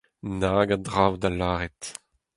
Nag a draoù da lâret !